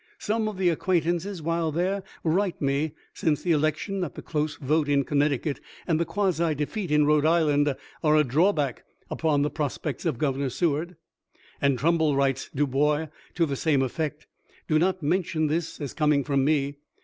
Some of the acquaintances while there write me since the election that the close vote in Connec ticut and the quasi defeat in Rhode Island are a drawback upon the prospects of Governor Seward ; and Trumbull writes Dubois to the same efTect. Do not mention this as coming from me.